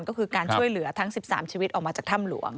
ก็คือการช่วยเหลือทั้ง๑๓ชีวิตออกมาจากถ้ำหลวง